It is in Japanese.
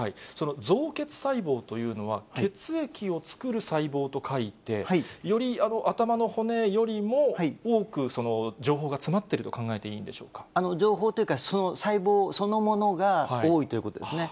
造血細胞というのは血液を造る細胞と書いて、より頭の骨よりも多く情報が詰まっていると考え情報というか、細胞そのものが多いということですね。